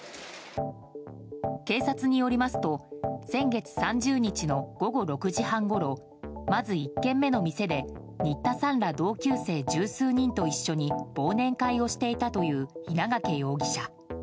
警察によりますと先月３０日の午後６時半ごろまず１軒目の店で新田さんら同級生十数人と一緒に忘年会をしていたという稲掛容疑者。